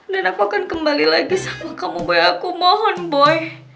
dan aku akan kembali lagi sama kamu boy aku mohon boy